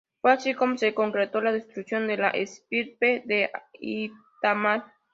Fue así como se concretó la destrucción de la estirpe de Itamar.